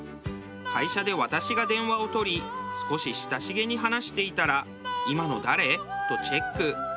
会社で私が電話を取り少し親しげに話していたら「今の誰？」とチェック。